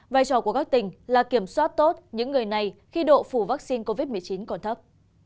vai trò của các tỉnh là kiểm soát tốt những người này khi độ phủ vaccine covid một mươi chín còn thấp